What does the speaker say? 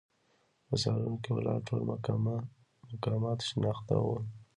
په سالون کې ولاړ ټول مقامات شناخته ول.